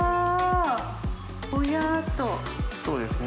そうですね。